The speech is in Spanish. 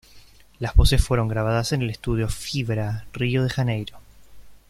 Las voces fueron grabadas en el estudio Fibra, Río de Janeiro.